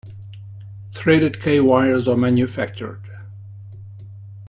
Threaded K-wires are manufactured.